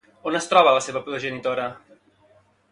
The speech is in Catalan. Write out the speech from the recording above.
On es troba la seva progenitora?